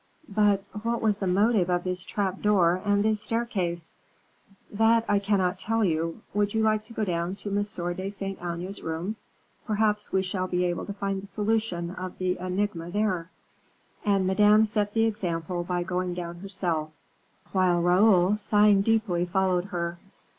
"But what was the motive of this trap door and this staircase?" "That I cannot tell you. Would you like to go down to Monsieur de Saint Aignan's rooms? Perhaps we shall be able to find the solution of the enigma there." And Madame set the example by going down herself, while Raoul, sighing deeply, followed her.